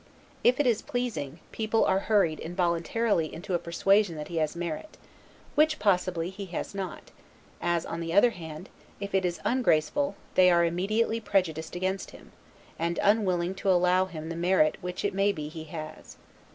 If it is pleasing, people are hurried involuntarily into a persuasion that he has a merit, which possibly he has not; as, on the other hand, if it is ungraceful, they are immediately prejudiced against him, and unwilling to allow him the merit which it may be he has.